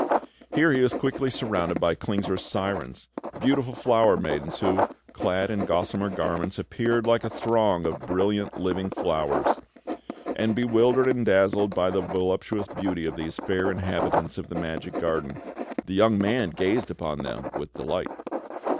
Here he was quickly surrounded by Klingsor's sirens, beautiful flower maidens, who, clad in gossamer garments, appeared like a throng of brilliant living flowers; and, bewildered and dazzled by the voluptuous beauty of these fair inhabitants of the magic garden, the young man gazed upon them with delight.